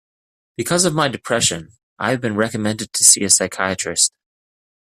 Because of my depression, I have been recommended to see a psychiatrist.